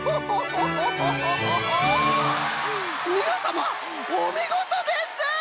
みなさまおみごとです！